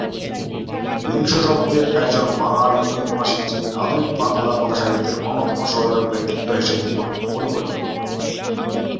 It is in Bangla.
বিংশ শতাব্দীর একজন বাঙালি ঔপন্যাসিক যিনি আধুনিক বাংলা কথাসাহিত্যের অন্যতম স্মরণীয় ব্যক্তিত্ব হিসাবে পরিগণিত।